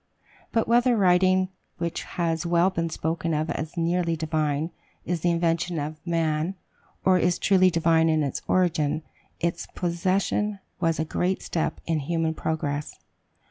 But whether writing, which has well been spoken of as "nearly divine," is the invention of man, or is truly divine in its origin, its possession was a great step in human progress.